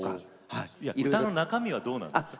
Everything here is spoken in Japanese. いや歌の中身はどうなんですか？